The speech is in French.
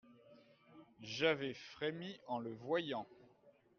J'avais frémis en le voyant.